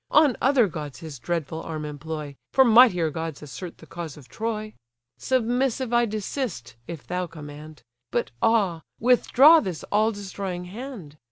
On other gods his dreadful arm employ, For mightier gods assert the cause of Troy. Submissive I desist, if thou command; But ah! withdraw this all destroying hand.